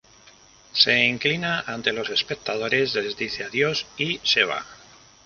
Se inclina ante los espectadores, les dice adiós y se va.